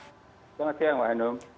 selamat siang mbak anum